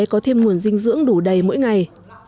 có thêm nguồn dinh dưỡng đủ đầy mỗi ngày